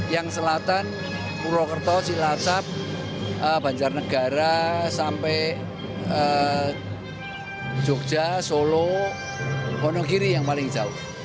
yang selatan purwokerto cilacap banjarnegara sampai jogja solo wonogiri yang paling jauh